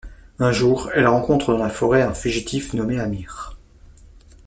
Un jour, elle rencontre dans la forêt un fugitif nommé Amir.